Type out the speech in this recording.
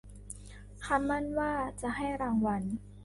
คำมั่นว่าจะให้รางวัล